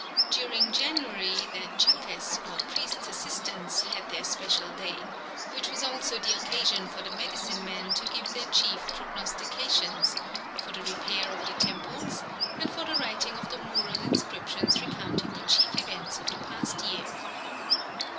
During January the Chaques or priests' assistants had their special day, which was also the occasion for the medicine men to give their chief prognostications, for the repair of the temples, and for the writing of the mural inscriptions recounting the chief events of the past year.